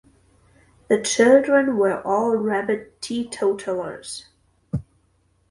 The children were all rabid teetotallers.